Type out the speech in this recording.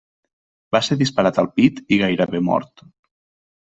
Va ser disparat al pit i gairebé mort.